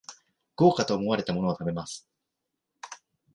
豪華と思われたものを食べます